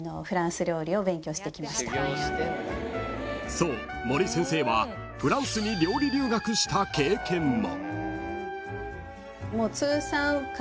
［そう森先生はフランスに料理留学した経験も］